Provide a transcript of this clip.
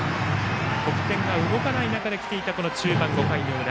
得点が動かない中で来ていた中盤の５回裏。